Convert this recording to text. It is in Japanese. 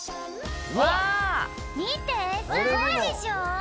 すごいでしょう！